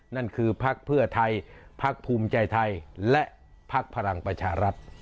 นั่นคือพักเพื่อไทยพักภูมิใจไทยและพักพลังประชารัฐ